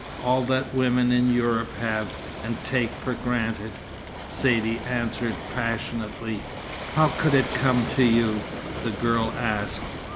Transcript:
All that women in Europe have, and take for granted," Saidee answered passionately. "How could it come to you?" the girl asked.